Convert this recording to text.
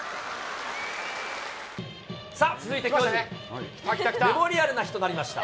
さあ、続いてきょうはメモリアルな日となりました。